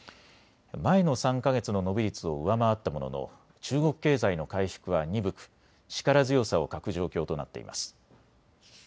前の３か月の伸び率を上回ったものの中国経済の回復は鈍く、力強さを欠く状況となっています。